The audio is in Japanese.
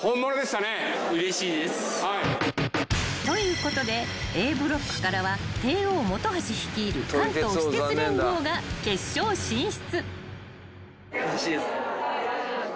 ［ということでＡブロックからは帝王本橋率いる関東私鉄連合が決勝進出］